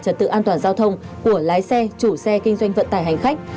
trật tự an toàn giao thông của lái xe chủ xe kinh doanh vận tải hành khách